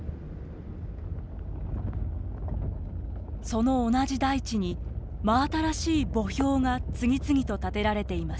その同じ大地に真新しい墓標が次々と立てられています。